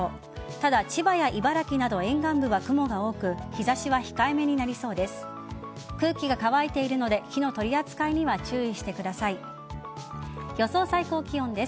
ただ、千葉や茨城など沿岸部は雲が多く日差しは控えめになりそうです。